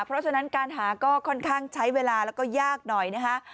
เพราะฉะนั้นการหาก็ค่อนข้างใช้เวลาแล้วก็ยากหน่อยนะคะ